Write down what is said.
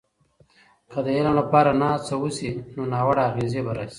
که د علم لپاره نه هڅه وسي، نو ناوړه اغیزې به راسي.